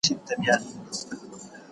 د ګورګین وحشت د یوې لویې بریا پیلامه شوه.